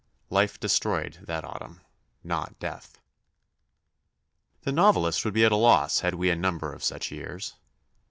Life destroyed that autumn, not death. The novelist would be at a loss had we a number of such years.